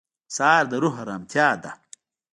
سهار د روح ارامتیا ده.